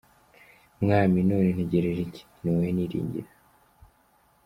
Mwami, none ntegereje iki? Ni wowe niringira.